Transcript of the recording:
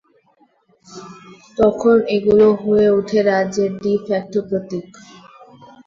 তখন এগুলো হয়ে উঠে রাজ্যের "ডি-ফ্যাক্টো" প্রতীক।